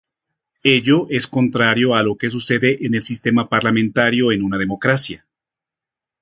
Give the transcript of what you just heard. Ello es contrario a lo que sucede en el sistema parlamentario en una democracia.